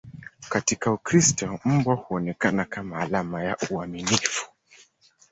Katika Ukristo, mbwa huonekana kama alama ya uaminifu.